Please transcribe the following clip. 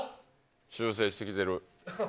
修正してきてる。